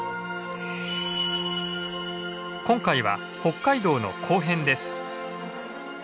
今回は北海道の後編です。